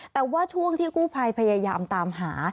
แต่ว่าช่วงที่กู้ภัยพยายามตามหา